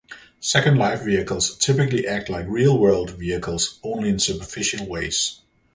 "Second Life" vehicles typically act like real world vehicles only in superficial ways.